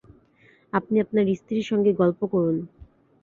আপনি আপনার স্ত্রীর সঙ্গে গল্প করুন।